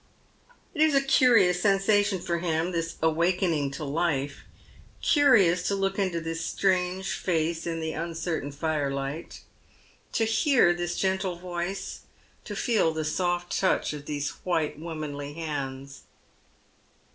It is a curious sensation for him, tliia awakening to life ; curious to look into this strange face in the uncertain firelight, to hear this gentle voice, to feel the soft touch of these white womanly hands.